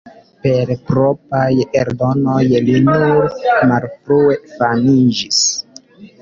Per propraj eldonoj li nur malfrue famiĝis.